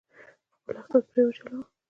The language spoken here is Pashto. خپل اقتصاد یې پرې وچلوه،